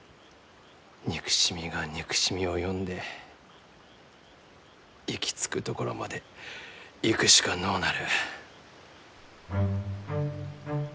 憎しみが憎しみを呼んで行き着くところまで行くしかのうなる。